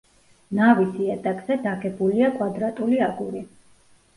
ნავის იატაკზე დაგებულია კვადრატული აგური.